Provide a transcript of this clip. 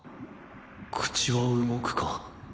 口は動くか？